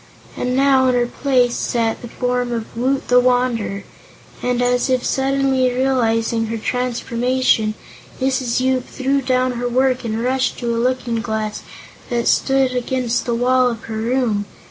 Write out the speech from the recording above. And now, in her place sat the form of Woot the Wanderer, and as if suddenly realizing her transformation Mrs. Yoop threw down her work and rushed to a looking glass that stood against the wall of her room.